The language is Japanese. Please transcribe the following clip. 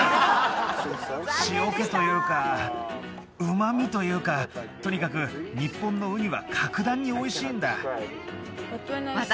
塩気というか旨味というかとにかく日本のウニは格段においしいんだ私